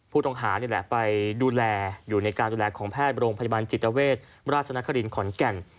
ผู้ต้องหานี่แหละไปดูแลอยู่ในการดูแลของแพทย์โรงพยาบาลจิตเวชราชนครินขอนแก่น